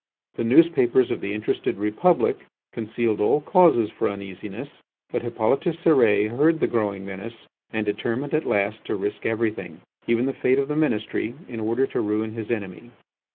The newspapers of the interested Republic concealed all causes for uneasiness; but Hippolyte Cérès heard the growing menace, and determined at last to risk everything, even the fate of the ministry, in order to ruin his enemy.